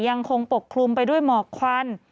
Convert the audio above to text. ยังคงปกคลุมไปด้วยหมอกควัน